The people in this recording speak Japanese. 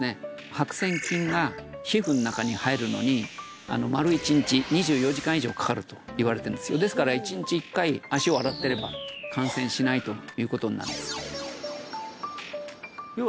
白せん菌が皮膚の中に入るのに丸１日２４時間以上かかるといわれてるんですよですから１日１回足を洗ってれば感染しないということなんです